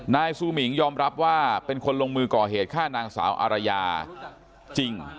ซูมิงยอมรับว่าเป็นคนลงมือก่อเหตุฆ่านางสาวอารยาจริง